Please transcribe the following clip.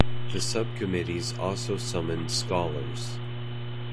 The subcommittee also summoned scholars.